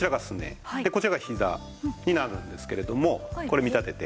こちらがひざになるんですけれどもこれ見立てて。